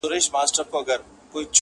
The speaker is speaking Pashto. • جام د میني راکړه..